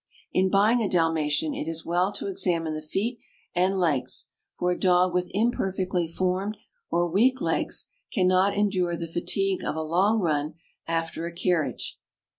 In buying a Dalmatian it is well to examine the feet and legs, for a dog with imperfectly formed or weak legs can not endure the fatigue of a long run after a carriage.